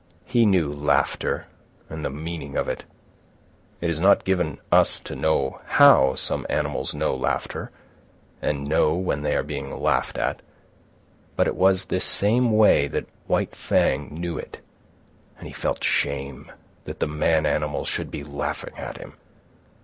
He knew laughter and the meaning of it. It is not given us to know how some animals know laughter, and know when they are being laughed at; but it was this same way that White Fang knew it. And he felt shame that the man animals should be laughing at him.